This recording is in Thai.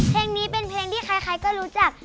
เพลงนี้เป็นเพลงที่ใครก็รู้จัก